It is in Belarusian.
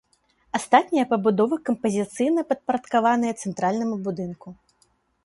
Астатнія пабудовы кампазіцыйна падпарадкаваныя цэнтральнаму будынку.